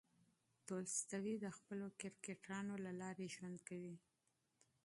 تولستوی د خپلو کرکټرونو له لارې ژوند کوي.